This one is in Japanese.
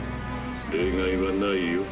例外は無いよ。